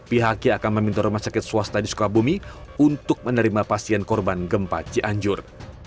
pihaknya akan meminta rumah sakit swasta di sukabumi untuk menerima pasien korban gempa cianjur